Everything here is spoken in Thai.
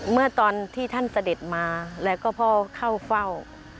เมื่อตอนที่ท่านเสด็จมาแล้วก็พ่อเข้าเฝ้า